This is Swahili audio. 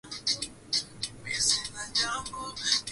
Ni nchi yenye kuvutia watu wengi kwa vigezo kadhaa